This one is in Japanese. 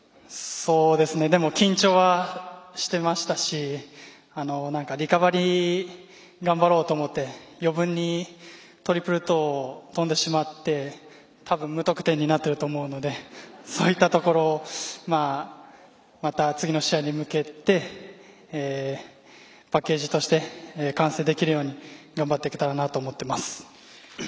でも、緊張はしてましたしリカバリー頑張ろうと思って余分にトリプルトーを跳んでしまって多分、無得点になっていると思うのでそういったところをまた次の試合に向けてパッケージとして完成できるように頑張っていけたらなと思っています。